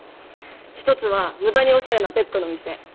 一つは無駄におしゃれなペットの店。